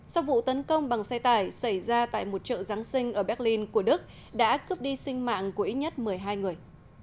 sau vụ tấn công bằng xe tải xảy ra tại một chợ giáng sinh ở berlin của đức đã cướp đi sinh mạng của ít nhất một mươi hai người